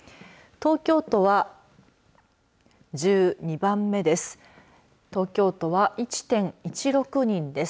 東京都は１２番目です。